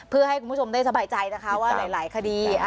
เพื่อให้คุณผู้ชมได้สบายใจนะคะว่าหลายคดี